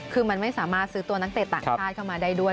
คือมันไม่สามารถซื้อตัวนักเตะต่างชาติเข้ามาได้ด้วย